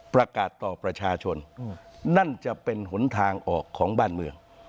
ประกาศต่อประชาชนนั่นจะเป็นหนทางออกของบ้านเมือง